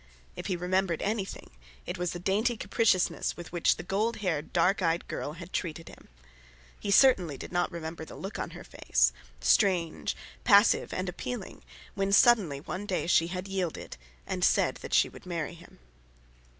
If he remembered anything, it was the dainty capriciousness with which the gold haired, dark eyed girl had treated him. He certainly did not remember the look on her face—strange, passive, appealing—when suddenly one day she had yielded, and said that she would marry him.